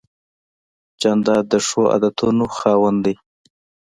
جانداد د ښو عادتونو خاوند دی.